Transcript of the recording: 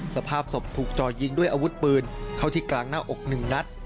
สภาพศพถูกจ่อยิงด้วยอาวุธปืนเข้าที่กลางหน้าอกหนึ่งนัด